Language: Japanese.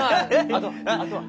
あとはあとは？